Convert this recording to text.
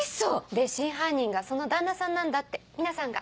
で真犯人がその旦那さんなんだって皆さんが。